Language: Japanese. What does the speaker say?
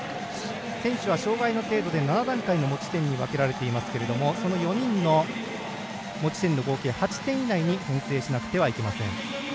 選手は障がいの程度で７段階の持ち点に分かれていますがその４人の持ち点の合計８点以内に編成しなくてはいけません。